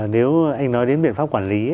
nếu anh nói đến biện pháp quản lý